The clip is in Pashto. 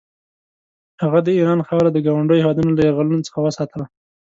هغه د ایران خاوره د ګاونډیو هېوادونو له یرغلونو څخه وساتله.